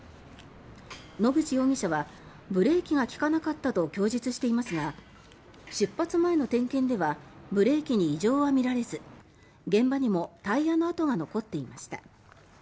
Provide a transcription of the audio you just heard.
野口容疑者はブレーキが利かなかったと供述していますが出発前の点検ではブレーキに異常は見られず現場にもタイヤの跡が残っていました。